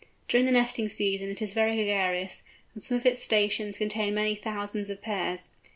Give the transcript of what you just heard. During the nesting season it is very gregarious, and some of its stations contain many thousands of pairs.